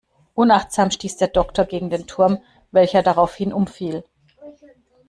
Unachtsam stieß der Doktor gegen den Turm, welcher daraufhin umfiel.